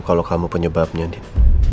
kalo kamu penyebabnya din